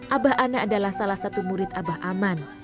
abah ana adalah salah satu murid abah aman